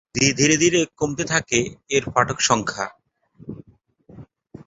ধীরে ধীরে কমতে থাকে এর পাঠক সংখ্যা।